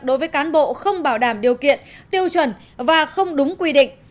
đối với cán bộ không bảo đảm điều kiện tiêu chuẩn và không đúng quy định